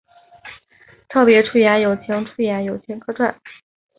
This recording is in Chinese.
特别出演友情出演友情客串